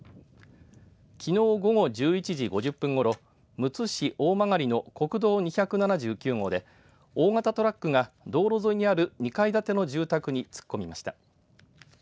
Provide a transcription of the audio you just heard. きのう午後１１時５０分ごろむつ市大曲の国道２７９号で大型トラックが道路沿いにある２階建ての住宅に突っ込みました。